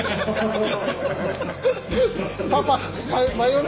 パパ！